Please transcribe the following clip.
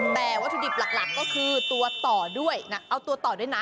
แต่วัตถุดิบหลักก็คือตัวต่อด้วยนะเอาตัวต่อด้วยนะ